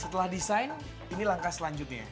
setelah desain ini langkah selanjutnya